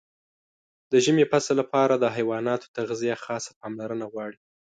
د ژمي فصل لپاره د حیواناتو تغذیه خاصه پاملرنه غواړي.